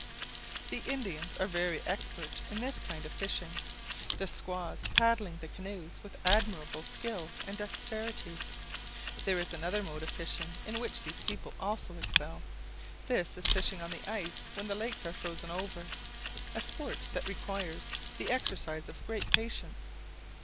The Indians are very expert in this kind of fishing; the squaws paddling the canoes with admirable skill and dexterity. There is another mode of fishing in which these people also excel: this is fishing on the ice when the lakes are frozen over a sport that requires the exercise of great patience.